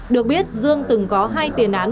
được biết dương từng có hai tiền án